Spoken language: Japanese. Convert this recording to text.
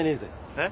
えっ！？